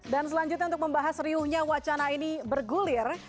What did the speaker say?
dan selanjutnya untuk membahas riuhnya wacana ini bergulir